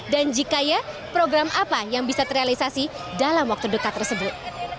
dan jika ya program apa yang bisa terrealisasi dalam waktu dekat tersebut